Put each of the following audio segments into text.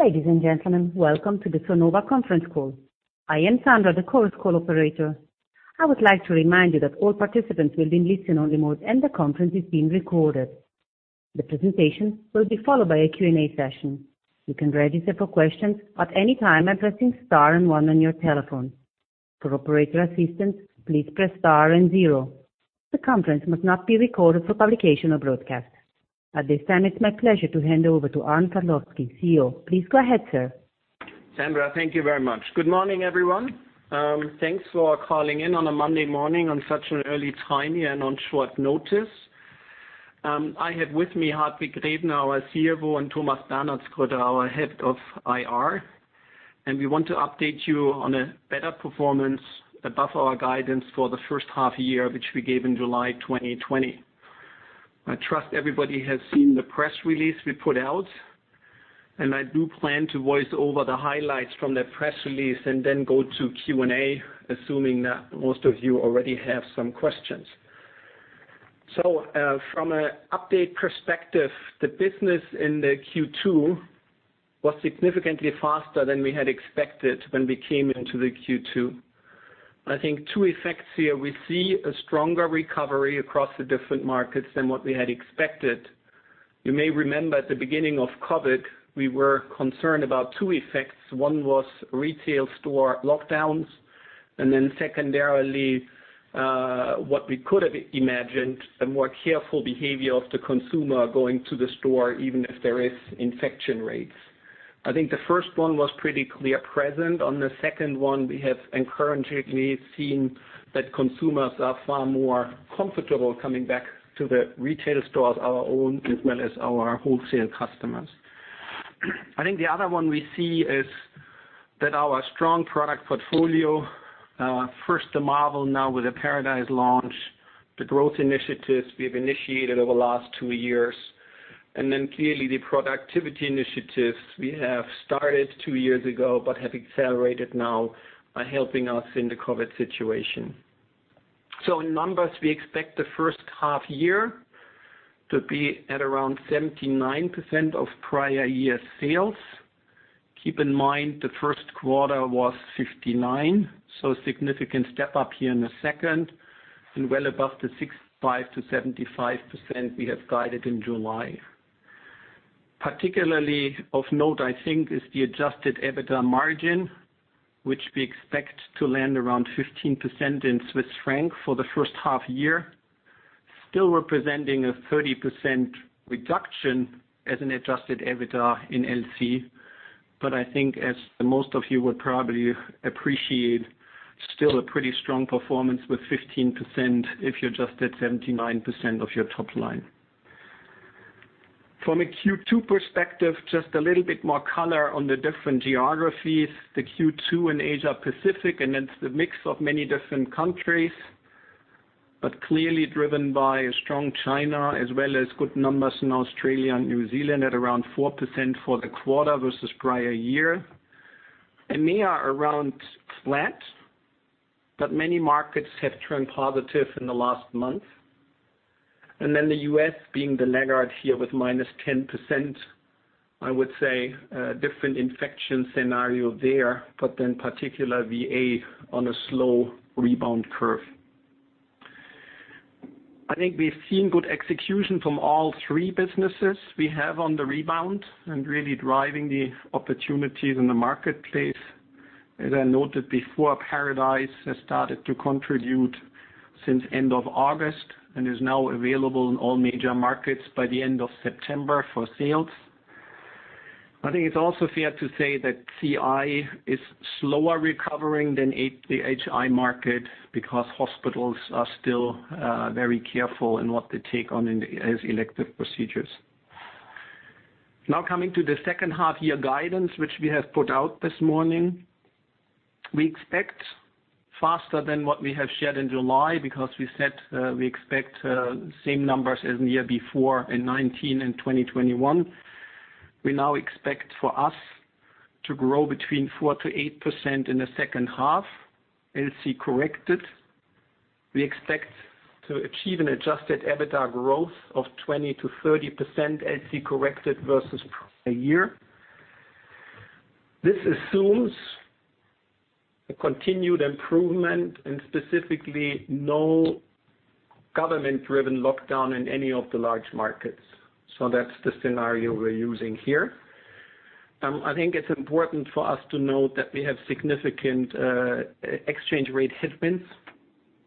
Ladies and gentlemen, welcome to the Sonova conference call. I am Sandra, the conference call operator. I would like to remind you that all participants will be listen-only mode, and the conference is being recorded. The presentation will be followed by a Q&A session. You can register for questions at any time by pressing star and one on your telephone. For operator assistance, please press star and zero. The conference must not be recorded for publication or broadcast. At this time, it's my pleasure to hand over to Arnd Kaldowski, CEO. Please go ahead, sir. Sandra, thank you very much. Good morning, everyone. Thanks for calling in on a Monday morning on such an early time here and on short notice. I have with me Hartwig Grevener, our CFO, and Thomas Bernhardsgrütter, our head of IR, and we want to update you on a better performance above our guidance for the first half year, which we gave in July 2020. I trust everybody has seen the press release we put out, and I do plan to voice over the highlights from the press release and then go to Q&A, assuming that most of you already have some questions. From an update perspective, the business in the Q2 was significantly faster than we had expected when we came into the Q2. I think two effects here. We see a stronger recovery across the different markets than what we had expected. You may remember at the beginning of COVID, we were concerned about two effects. One was retail store lockdowns, then secondarily, what we could have imagined, a more careful behavior of the consumer going to the store, even if there is infection rates. The first one was pretty clear present. On the second one, we have encouragingly seen that consumers are far more comfortable coming back to the retail stores, our own, as well as our wholesale customers. The other one we see is that our strong product portfolio, first the Marvel, now with the Paradise launch, the growth initiatives we've initiated over the last two years, then clearly the productivity initiatives we have started two years ago but have accelerated now are helping us in the COVID situation. In numbers, we expect the first half-year to be at around 79% of prior year's sales. Keep in mind, the first quarter was 59%, significant step up here in the second and well above the 65%-75% we have guided in July. Particularly of note, I think, is the adjusted EBITDA margin, which we expect to land around 15% in CHF for the first half-year, still representing a 30% reduction as an adjusted EBITDA in LC. I think, as most of you would probably appreciate, still a pretty strong performance with 15% if you're just at 79% of your top line. From a Q2 perspective, just a little bit more color on the different geographies. The Q2 in Asia Pacific, it's the mix of many different countries, but clearly driven by a strong China as well as good numbers in Australia and New Zealand at around 4% for the quarter versus prior year. EMEA around flat, many markets have turned positive in the last month. The U.S. being the laggard here with minus 10%. I would say a different infection scenario there, particular VA on a slow rebound curve. I think we've seen good execution from all three businesses we have on the rebound and really driving the opportunities in the marketplace. As I noted before, Paradise has started to contribute since end of August and is now available in all major markets by the end of September for sales. I think it's also fair to say that CI is slower recovering than the HI market because hospitals are still very careful in what they take on as elective procedures. Coming to the second half year guidance, which we have put out this morning. We expect faster than what we have shared in July because we said we expect same numbers as in the year before in 2019 and 2021. We now expect for us to grow between 4%-8% in the second half, CHF LC corrected. We expect to achieve an adjusted EBITDA growth of 20%-30% CHF LC corrected versus a year. This assumes a continued improvement and specifically no government-driven lockdown in any of the large markets. That's the scenario we're using here. I think it's important for us to note that we have significant exchange rate headwinds,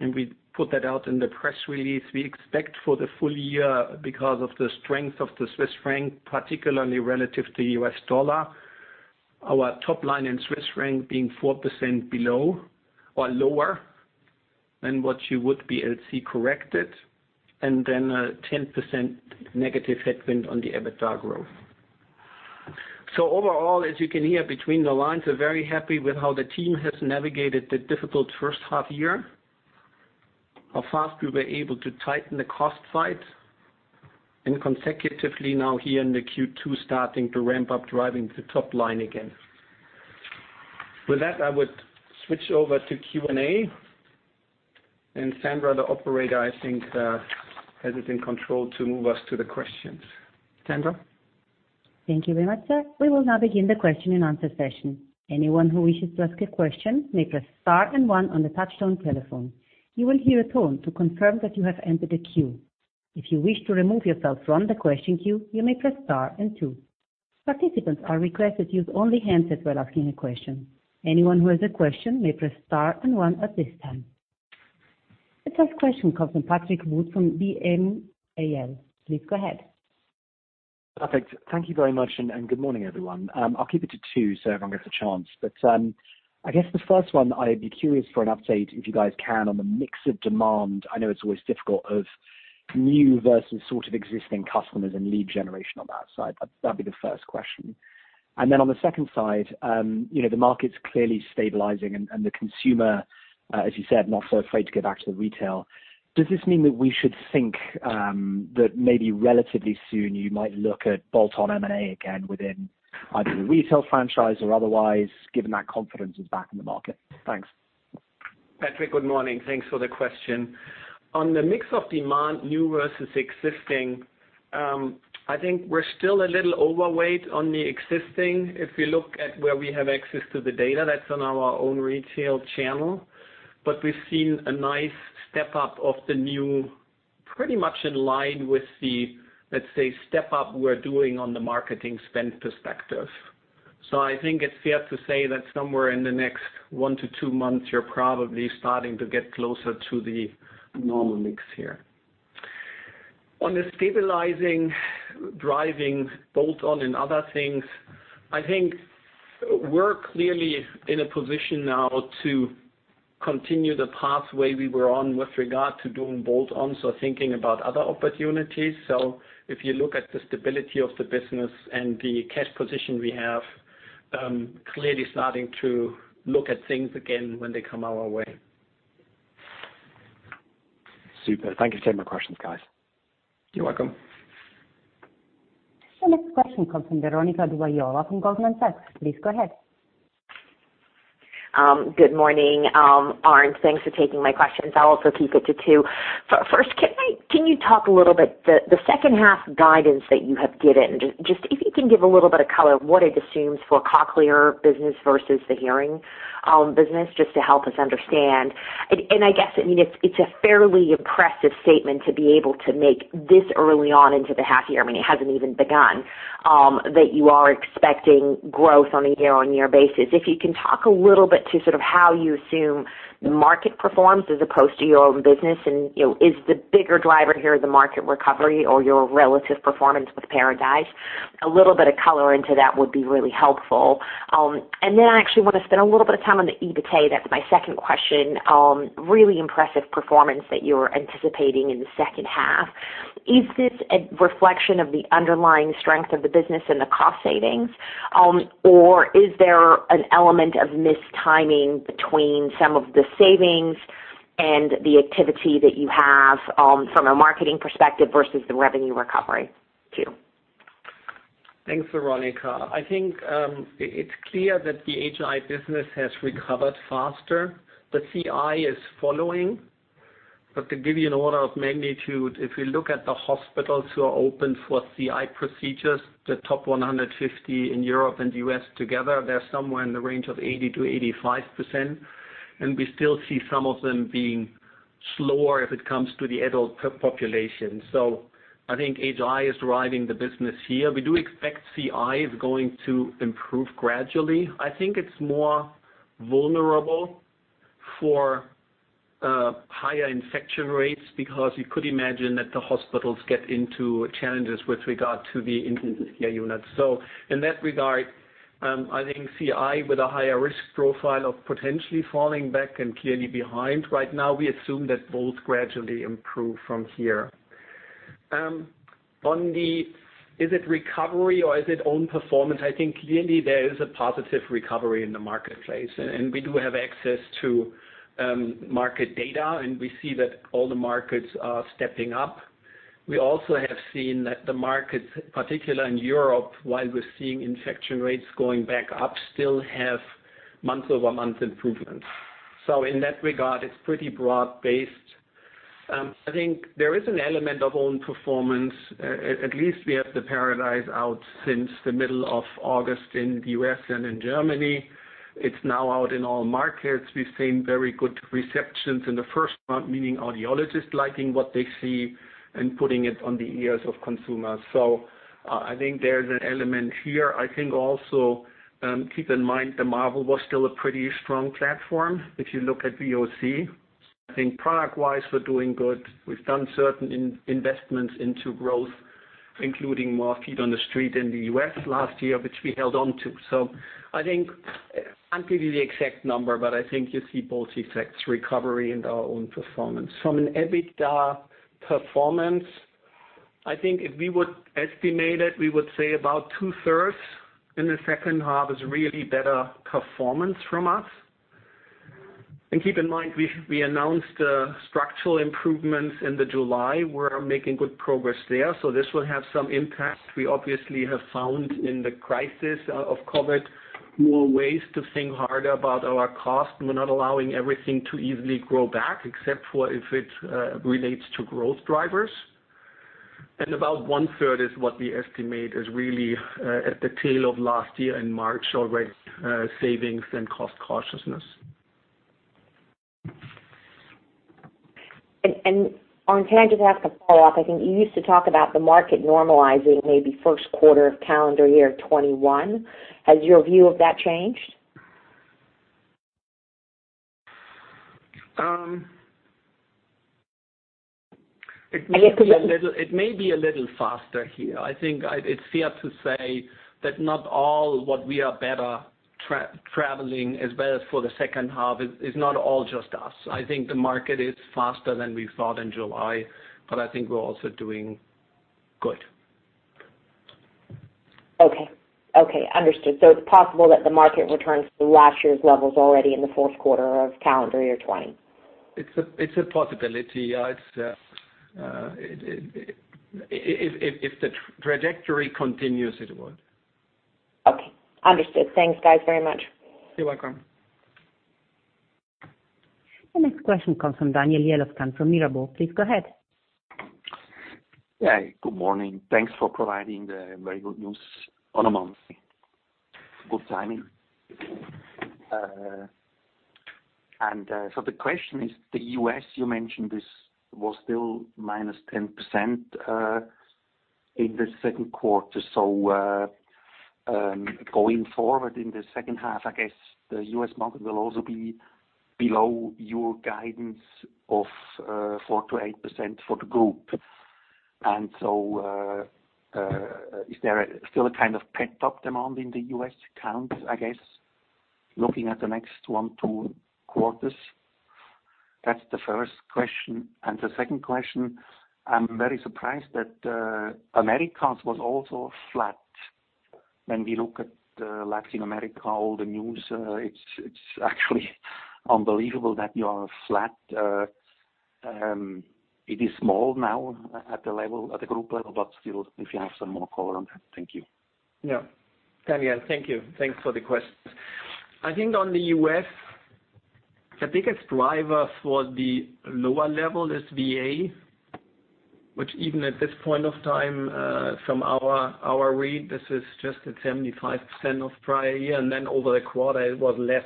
and we put that out in the press release. We expect for the full year, because of the strength of the Swiss franc, particularly relative to US dollar, our top line in Swiss franc being 4% below or lower than what you would be LC corrected, and then a 10% negative headwind on the EBITDA growth. Overall, as you can hear between the lines, we're very happy with how the team has navigated the difficult first half year, how fast we were able to tighten the cost side, and consecutively now here in the Q2, starting to ramp up driving the top line again. With that, I would switch over to Q&A, and Sandra, the operator, I think, has it in control to move us to the questions. Sandra? The first question comes from Patrick Wood from BMO. Please go ahead. Perfect. Thank you very much. Good morning, everyone. I'll keep it to two, so everyone gets a chance. I guess the first one, I'd be curious for an update, if you guys can, on the mix of demand. I know it's always difficult of new versus existing customers and lead generation on that side. That'd be the first question. Then on the second side, the market's clearly stabilizing and the consumer, as you said, not so afraid to go back to the retail. Does this mean that we should think that maybe relatively soon you might look at bolt-on M&A again within either the retail franchise or otherwise, given that confidence is back in the market? Thanks. Patrick, good morning. Thanks for the question. On the mix of demand, new versus existing, I think we're still a little overweight on the existing. We've seen a nice step up of the new, pretty much in line with the, let's say, step up we're doing on the marketing spend perspective. I think it's fair to say that somewhere in the next 1-2 months, you're probably starting to get closer to the normal mix here. On the stabilizing, driving bolt-on and other things, I think we're clearly in a position now to continue the pathway we were on with regard to doing bolt-ons or thinking about other opportunities. If you look at the stability of the business and the cash position we have, clearly starting to look at things again when they come our way. Super. Thank you for taking my questions, guys. You're welcome. The next question comes from Veronika Dubajova from Goldman Sachs. Please go ahead. Good morning, Arnd. Thanks for taking my questions. I'll also keep it to two. First, can you talk a little bit, the second half guidance that you have given, just if you can give a little bit of color, what it assumes for Cochlear business versus the hearing business, just to help us understand. I guess, it's a fairly impressive statement to be able to make this early on into the half year, it hasn't even begun, that you are expecting growth on a year-on-year basis. If you can talk a little bit to how you assume the market performs as opposed to your own business, is the bigger driver here the market recovery or your relative performance with Paradise? A little bit of color into that would be really helpful. I actually want to spend a little bit of time on the EBITA. That's my second question. Really impressive performance that you're anticipating in the second half. Is this a reflection of the underlying strength of the business and the cost savings? Or is there an element of mistiming between some of the savings and the activity that you have from a marketing perspective versus the revenue recovery too? Thanks, Veronika. I think it's clear that the HI business has recovered faster. The CI is following. To give you an order of magnitude, if we look at the hospitals who are open for CI procedures, the top 150 in Europe and U.S. together, they're somewhere in the range of 80%-85%, and we still see some of them being slower if it comes to the adult population. I think HI is driving the business here. We do expect CI is going to improve gradually. I think it's more vulnerable for higher infection rates because you could imagine that the hospitals get into challenges with regard to the intensive care units. In that regard, I think CI with a higher risk profile of potentially falling back and clearly behind right now, we assume that both gradually improve from here. On the, is it recovery or is it own performance? I think clearly there is a positive recovery in the marketplace. We do have access to market data. We see that all the markets are stepping up. We also have seen that the markets, particularly in Europe, while we're seeing infection rates going back up, still have month-over-month improvements. In that regard, it's pretty broad-based. I think there is an element of own performance. At least we have the Paradise out since the middle of August in the U.S. and in Germany. It's now out in all markets. We've seen very good receptions in the first month, meaning audiologists liking what they see and putting it on the ears of consumers. I think there's an element here. I think also, keep in mind, the Marvel was still a pretty strong platform. If you look at VOC, I think product-wise, we're doing good. We've done certain investments into growth, including more feet on the street in the U.S. last year, which we held on to. I think I can't give you the exact number, but I think you see both effects, recovery and our own performance. From an EBITDA performance, I think if we would estimate it, we would say about two-thirds in the second half is really better performance from us. Keep in mind, we announced the structural improvements in the July. We're making good progress there. This will have some impact. We obviously have found in the crisis of COVID more ways to think harder about our cost. We're not allowing everything to easily grow back, except for if it relates to growth drivers. About one-third is what we estimate is really at the tail of last year in March, already savings and cost consciousness. Arnd, can I just ask a follow-up? I think you used to talk about the market normalizing maybe first quarter of calendar year 2021. Has your view of that changed? It may be a little faster here. I think it's fair to say that not all what we are better traveling as well as for the second half is not all just us. I think the market is faster than we thought in July, I think we're also doing good. Okay. Understood. It's possible that the market returns to last year's levels already in the fourth quarter of calendar year 2020? It's a possibility. If the trajectory continues, it would. Okay. Understood. Thanks, guys, very much. You're welcome. The next question comes from Daniel Jelovcan from Mirabaud. Please go ahead. Yeah, good morning. Thanks for providing the very good news on a Monday. Good timing. The question is, the U.S., you mentioned this was still minus 10% in the second quarter. Going forward in the second half, I guess the U.S. market will also be below your guidance of 4%-8% for the group. Is there still a kind of pent-up demand in the U.S. accounts, I guess, looking at the next one, two quarters? That's the first question. The second question, I'm very surprised that Americas was also flat. When we look at Latin America, all the news, it's actually unbelievable that you are flat. It is small now at the group level, but still, if you have some more color on that. Thank you. Yeah. Daniel, thank you. Thanks for the questions. I think on the U.S., the biggest driver for the lower level is VA, which even at this point of time, from our read, this is just at 75% of prior year, and then over the quarter it was less.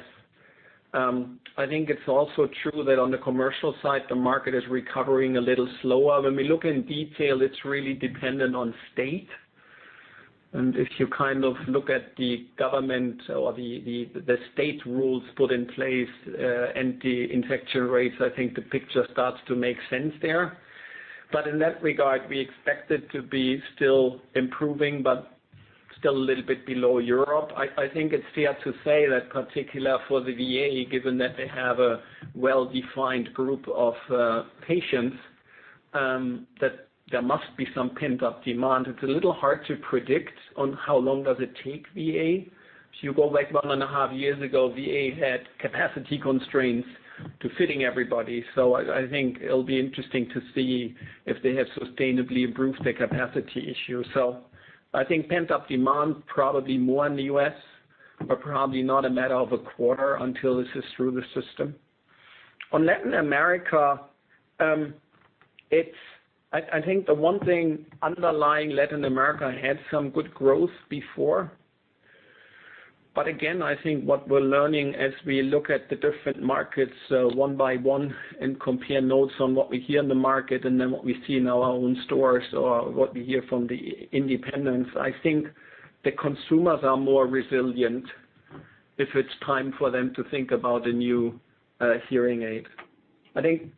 I think it's also true that on the commercial side, the market is recovering a little slower. When we look in detail, it's really dependent on state. If you look at the government or the state rules put in place, and the infection rates, I think the picture starts to make sense there. In that regard, we expect it to be still improving, but still a little bit below Europe. I think it's fair to say that particular for the VA, given that they have a well-defined group of patients, that there must be some pent-up demand. It's a little hard to predict on how long does it take VA. If you go back one and a half years ago, VA had capacity constraints to fitting everybody. I think it'll be interesting to see if they have sustainably improved their capacity issue. I think pent-up demand probably more in the U.S., but probably not a matter of a quarter until this is through the system. On Latin America, I think the one thing underlying Latin America had some good growth before. Again, I think what we're learning as we look at the different markets one by one and compare notes on what we hear in the market and then what we see in our own stores or what we hear from the independents, I think the consumers are more resilient if it's time for them to think about a new hearing aid. I think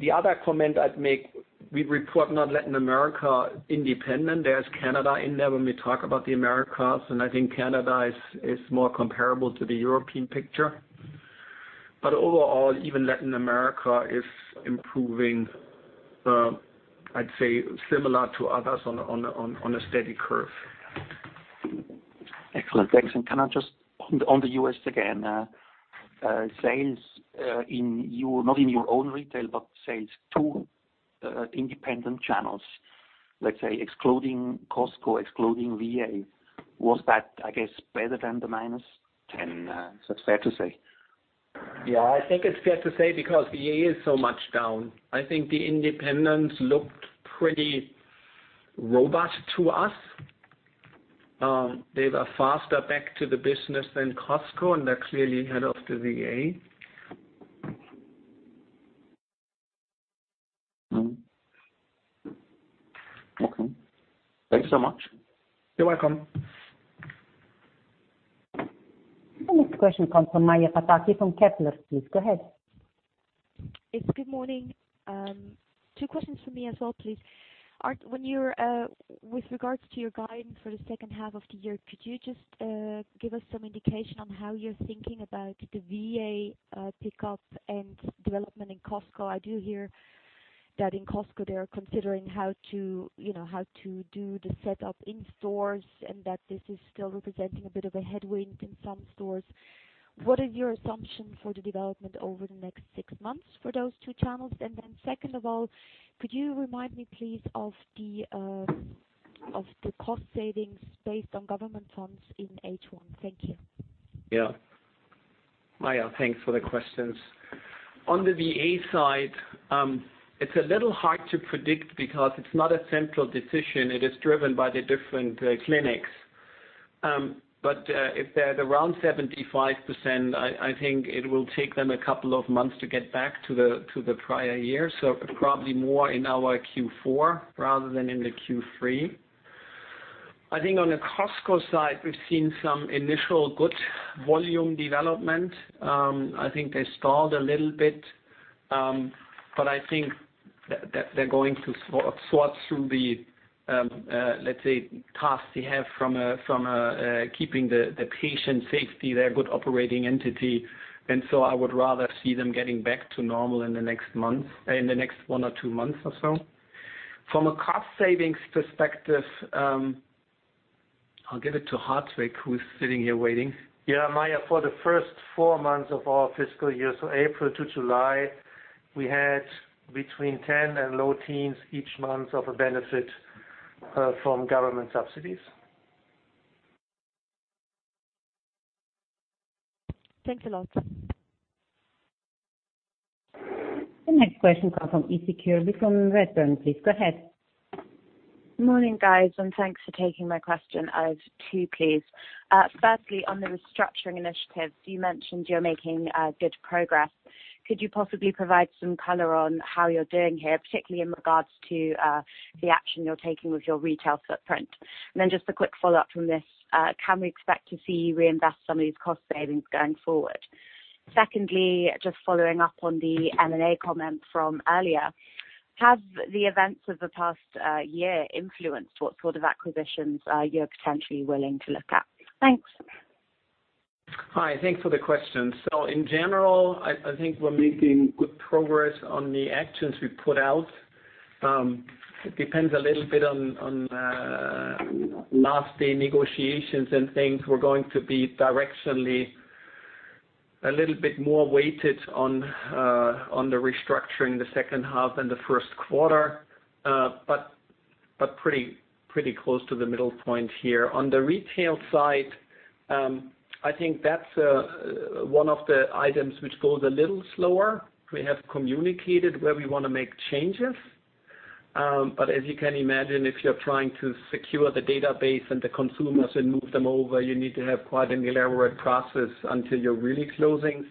the other comment I'd make, we report not Latin America independent. There's Canada in there when we talk about the Americas, and I think Canada is more comparable to the European picture. Overall, even Latin America is improving, I'd say similar to others on a steady curve. Excellent. Thanks. Can I just on the U.S. again, sales, not in your own retail, but sales to independent channels, let's say excluding Costco, excluding VA, was that, I guess, better than the minus 10? Is that fair to say? Yeah, I think it's fair to say because VA is so much down. I think the independents looked pretty robust to us. They were faster back to the business than Costco, and they're clearly ahead of the VA. Okay. Thanks so much. You're welcome. The next question comes from Maja Pataki from Kepler. Please, go ahead. Yes. Good morning. Two questions from me as well, please. Arnd, with regards to your guidance for the second half of the year, could you just give us some indication on how you're thinking about the VA pickup and development in Costco? I do hear that in Costco they're considering how to do the setup in stores, that this is still representing a bit of a headwind in some stores. What is your assumption for the development over the next six months for those two channels? Second of all, could you remind me, please, of the cost savings based on government funds in H1? Thank you. Yeah. Maja, thanks for the questions. On the VA side, it's a little hard to predict because it's not a central decision. It is driven by the different clinics. If they're around 75%, I think it will take them a couple of months to get back to the prior year. Probably more in our Q4 rather than in the Q3. I think on the Costco side, we've seen some initial good volume development. I think they stalled a little bit. I think that they're going to sort through the, let's say, tasks they have from keeping the patient safety their good operating entity. I would rather see them getting back to normal in the next one or two months or so. From a cost savings perspective, I'll give it to Hartwig, who's sitting here waiting. Yeah, Maja, for the first four months of our fiscal year, so April to July, we had between 10 and low teens each month of a benefit from government subsidies. Thanks a lot. The next question comes from [unintelligible] Redburn. Please, go ahead. Morning, guys. Thanks for taking my question. I have two, please. Firstly, on the restructuring initiatives, you mentioned you're making good progress. Could you possibly provide some color on how you're doing here, particularly in regards to the action you're taking with your retail footprint? Just a quick follow-up from this, can we expect to see you reinvest some of these cost savings going forward? Secondly, just following up on the M&A comment from earlier, have the events of the past year influenced what sort of acquisitions you're potentially willing to look at? Thanks. Hi, thanks for the question. In general, I think we're making good progress on the actions we put out. It depends a little bit on lasting negotiations and things. We're going to be directionally a little bit more weighted on the restructuring the second half than the first quarter. Pretty close to the middle point here. On the retail side, I think that's one of the items which goes a little slower. We have communicated where we want to make changes. As you can imagine, if you're trying to secure the database and the consumers and move them over, you need to have quite an elaborate process until you're really closing.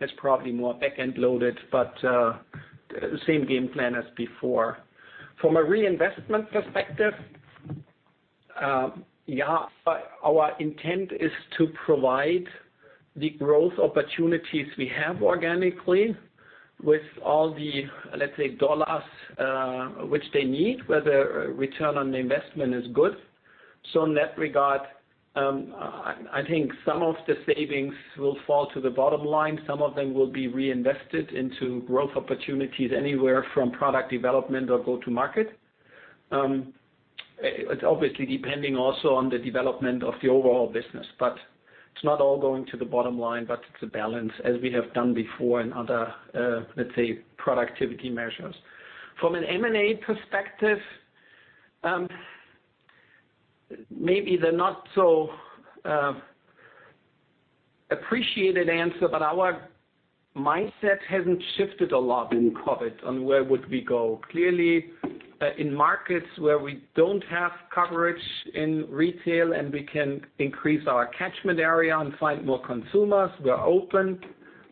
It's probably more back-end loaded, but same game plan as before. From a reinvestment perspective, our intent is to provide the growth opportunities we have organically with all the, let's say, dollars which they need, whether return on the investment is good. In that regard, I think some of the savings will fall to the bottom line. Some of them will be reinvested into growth opportunities anywhere from product development or go to market. It's obviously depending also on the development of the overall business, but it's not all going to the bottom line, but it's a balance as we have done before in other, let's say, productivity measures. From an M&A perspective, maybe the not so appreciated answer, but our mindset hasn't shifted a lot in COVID on where would we go. Clearly, in markets where we don't have coverage in retail and we can increase our catchment area and find more consumers, we're open.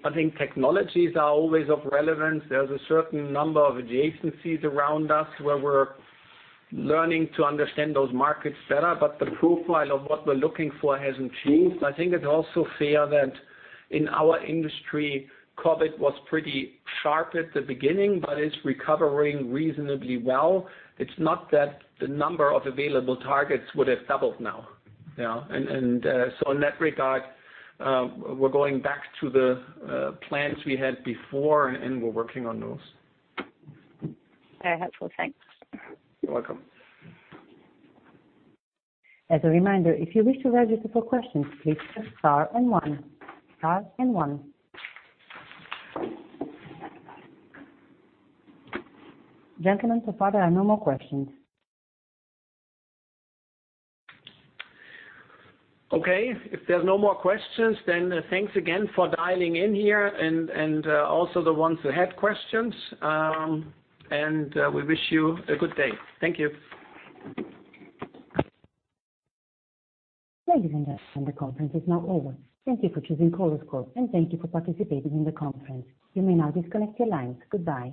I think technologies are always of relevance. There's a certain number of adjacencies around us where we're learning to understand those markets better, but the profile of what we're looking for hasn't changed. I think it's also fair that in our industry, COVID was pretty sharp at the beginning, but it's recovering reasonably well. It's not that the number of available targets would have doubled now. Yeah. In that regard, we're going back to the plans we had before, and we're working on those. Very helpful. Thanks. You're welcome. Gentlemen, so far there are no more questions. Okay. If there's no more questions, then thanks again for dialing in here and also the ones who had questions. We wish you a good day. Thank you. Ladies and gents, the conference is now over. Thank you for choosing Chorus Call, and thank you for participating in the conference. You may now disconnect your lines. Goodbye.